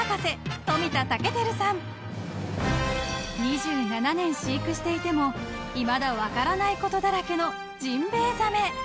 ［２７年飼育していてもいまだ分からないことだらけのジンベエザメ］